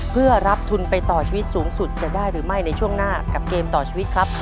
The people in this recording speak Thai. เพื่อรับทุนไปต่อชีวิตสูงสุดจะได้หรือไม่ในช่วงหน้ากับเกมต่อชีวิตครับ